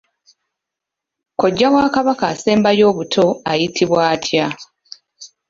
Kojja wa Kabaka asembayo obuto ayitibwa atya?